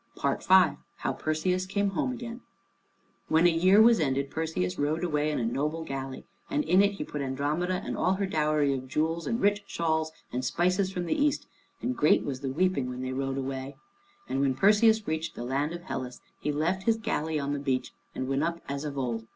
V HOW PERSEUS CAME HOME AGAIN When a year was ended, Perseus rowed away in a noble galley, and in it he put Andromeda and all her dowry of jewels and rich shawls and spices from the East, and great was the weeping when they rowed away. And when Perseus reached the land, of Hellas he left his galley on the beach, and went up as of old.